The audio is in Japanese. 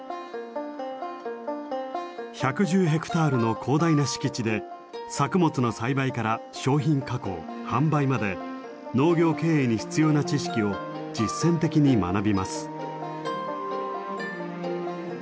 １１０ヘクタールの広大な敷地で作物の栽培から商品加工販売まで農業経営に必要な知識を実践的に学びます。